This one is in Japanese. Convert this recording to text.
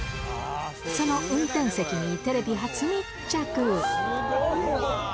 その運転席にテレビ初密着。